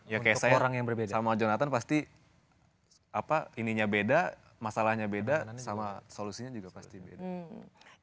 ya kayak saya sama jonathan pasti apa ininya beda masalahnya beda sama solusinya juga pasti beda